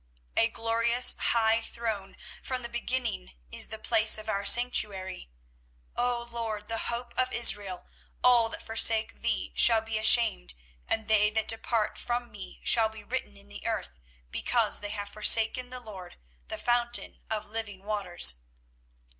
24:017:012 A glorious high throne from the beginning is the place of our sanctuary. 24:017:013 O LORD, the hope of Israel, all that forsake thee shall be ashamed, and they that depart from me shall be written in the earth, because they have forsaken the LORD, the fountain of living waters.